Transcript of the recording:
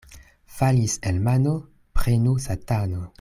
Falis el mano, prenu satano.